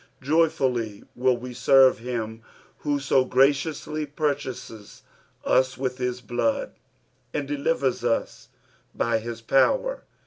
Joyfully will we serve him who so graciously purchases us with his blood, and delivers iw by his power.